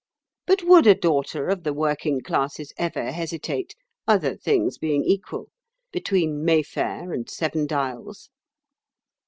But would a daughter of the Working Classes ever hesitate, other things being equal, between Mayfair and Seven Dials?"